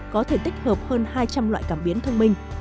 có thể tích hợp hơn hai trăm linh loại cảm biến thông minh